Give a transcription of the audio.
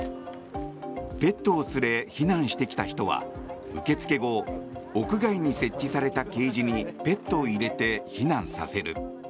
ペットを連れ避難してきた人は受け付け後屋外に設置されたケージにペットを入れて避難させる。